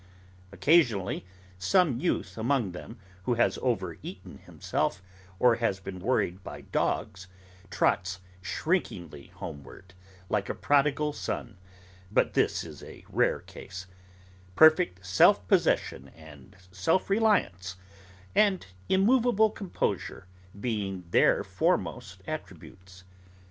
Occasionally, some youth among them who has over eaten himself, or has been worried by dogs, trots shrinkingly homeward, like a prodigal son: but this is a rare case: perfect self possession and self reliance, and immovable composure, being their foremost attributes.